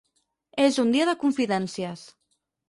És un dia de confidències.